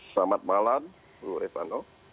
selamat malam bu rezano